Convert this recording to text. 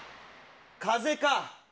風か？